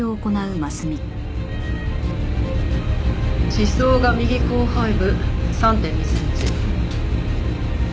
刺創が右後背部３．２センチ。